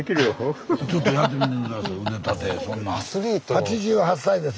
８８歳です。